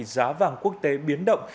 giá vàng quốc tế biến động